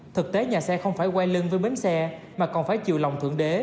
thực tế nhà xe không phải quay lưng với bến xe mà còn phải chiều lòng thượng đế